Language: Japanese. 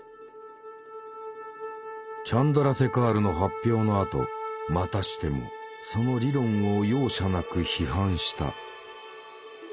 チャンドラセカールの発表のあとまたしてもその理論を容赦なく批判した。